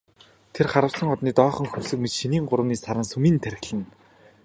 Тэр харвасан одны доохон хөмсөг мэт шинийн гуравны саран сүүмийн тахирлана.